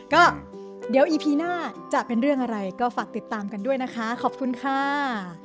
ก็เดี๋ยวอีพีหน้าจะเป็นเรื่องอะไรก็ฝากติดตามกันด้วยนะคะขอบคุณค่ะ